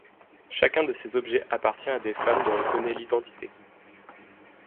Chacun de ces objets appartient à des femmes dont on connaît l’identité.